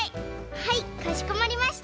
はいかしこまりました。